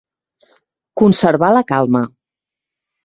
Conservar la calma.